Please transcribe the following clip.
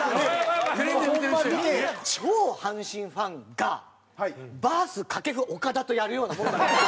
超阪神ファンがバース掛布岡田とやるようなもんだから。